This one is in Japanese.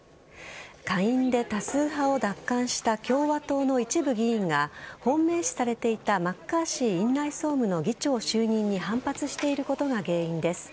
下院で多数派を奪還した共和党の一部議員が本命視されていたマッカーシー院内総務の議長就任に反発していることが原因です。